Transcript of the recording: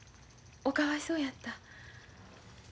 おかわいそうやった。